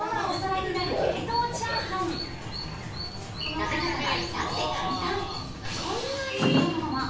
食べ方は至って簡単！